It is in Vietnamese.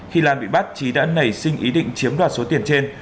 khi lan bị bắt trí đã nảy sinh ý định chiếm đoạt số tiền trên